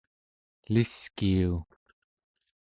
eliskiu!